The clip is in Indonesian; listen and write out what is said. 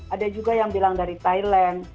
ada juga yang bilang dari thailand